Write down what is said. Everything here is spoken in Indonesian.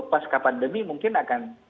paska pandemi mungkin akan